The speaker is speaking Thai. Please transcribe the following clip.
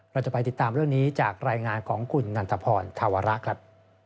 เราจะไปติดตามเรื่องนี้จากรายงานของคุณนันทพรธาวระครับ